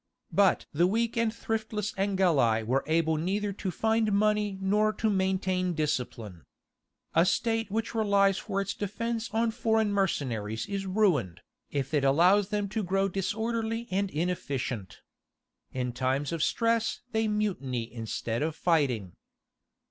But the weak and thriftless Angeli were able neither to find money nor to maintain discipline. A state which relies for its defence on foreign mercenaries is ruined, if it allows them to grow disorderly and inefficient. In times of stress they mutiny instead of fighting.